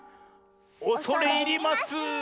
おそれいります。